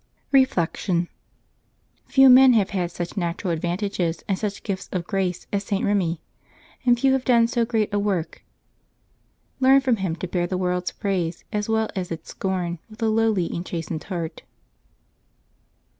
Reflection. — Few men have had such natural advan tages and such gifts of grace as St. Eemi, and few have done so great a work. Learn from him to bear the world^s praise as well as its scorn with a lowly and chas tened heai't.